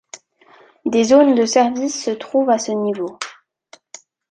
Des zones de service se trouvent à ce niveau.